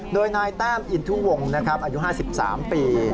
โดยนายแต้มอินทุวงศ์อายุ๕๓ปี